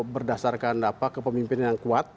berdasarkan kepemimpinan yang kuat